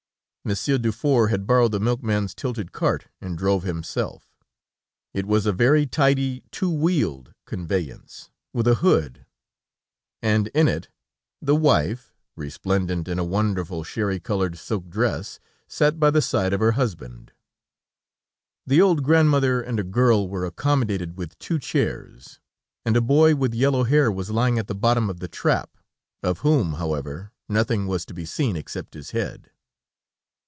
Monsieur Dufour had borrowed the milkman's tilted cart, and drove himself. It was a very tidy, two wheeled conveyance, with a hood, and in it the wife, resplendent in a wonderful, sherry colored, silk dress, sat by the side of her husband. The old grandmother and a girl were accommodated with two chairs, and a boy with yellow hair was lying at the bottom of the trap, of whom however, nothing was to be seen except his head.